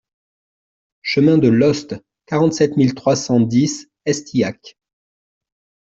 Chemin de Lhoste, quarante-sept mille trois cent dix Estillac